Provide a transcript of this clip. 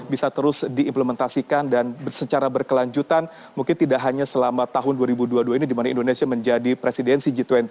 bisa terus diimplementasikan dan secara berkelanjutan mungkin tidak hanya selama tahun dua ribu dua puluh dua ini dimana indonesia menjadi presidensi g dua puluh